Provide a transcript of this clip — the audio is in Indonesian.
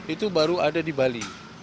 itu baru ada di bali